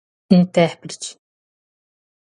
intérprete